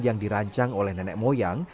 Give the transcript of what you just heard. yang dirancang oleh nenek moyang